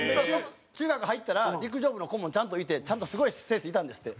中学入ったら陸上部の顧問ちゃんといてちゃんとすごい先生いたんですって。